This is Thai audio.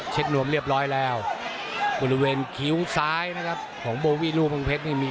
รวมเรียบร้อยแล้วบริเวณคิ้วซ้ายนะครับของโบวี่ลูกเมืองเพชรนี่มี